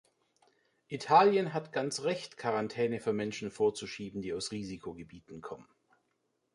Italien hat ganz recht, Quarantäne für Menschen vorzuschreiben, die aus Risikogebieten kommen.